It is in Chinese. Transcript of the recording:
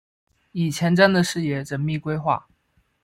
以前瞻的视野缜密规划